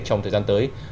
trong thời gian tới